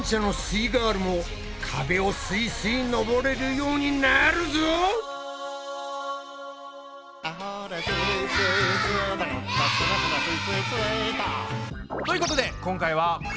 イガールも壁をすいすい登れるようになるぞ！ということで今回は「ボルダリング」です。